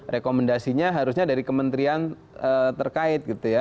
rekomendasinya harusnya dari kementerian terkait gitu ya